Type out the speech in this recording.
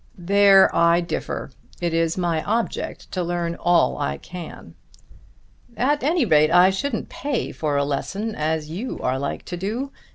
"There I differ. It is my object to learn all I can." "At any rate I shouldn't pay for the lesson as you are like to do.